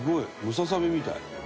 ムササビみたい」